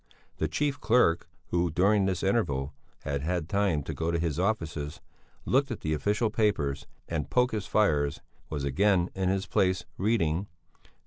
The chief clerk, who during this interval had had time to go to his offices, look at the official papers, and poke his fires, was again in his place, reading: "72.